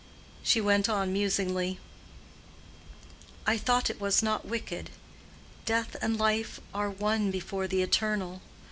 She went on musingly, "I thought it was not wicked. Death and life are one before the Eternal.